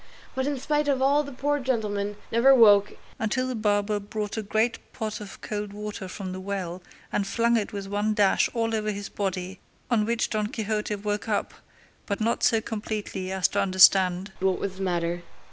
But in spite of all the poor gentleman never woke until the barber brought a great pot of cold water from the well and flung it with one dash all over his body, on which Don Quixote woke up, but not so completely as to understand what was the matter.